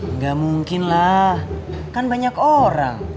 nggak mungkin lah kan banyak orang